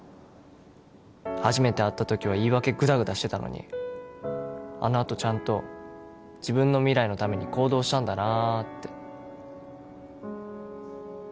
初めて会った時は言い訳グダグダしてたのにあのあとちゃんと自分の未来のために行動したんだなあって